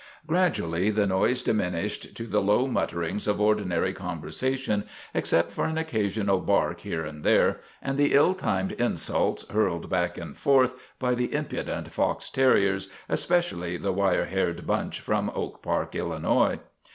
Gradually the noise diminished to the low mutter ings of ordinary conversation, except for an occa sional bark here and there, and the ill timed insults hurled back and forth by the impudent fox terriers, especially the wire haired bunch from Oak Park, Illinois.